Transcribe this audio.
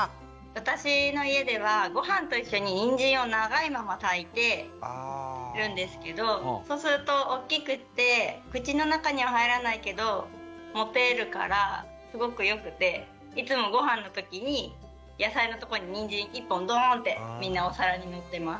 私の家ではご飯と一緒ににんじんを長いまま炊いているんですけどそうするとおっきくって口の中には入らないけど持てるからすごくよくてドーンってみんなお皿にのってます。